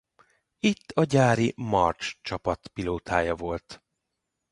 Itt a gyári March csapat pilótája volt.